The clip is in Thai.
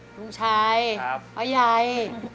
ลุงชัยป้ายัย